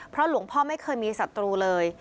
หลวงพ่อไม่เคยมีศัตรูเลย